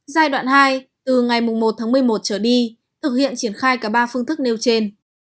giai đoạn hai từ ngày một tháng một mươi một trở đi thực hiện triển khai cả ba phương thức nêu trên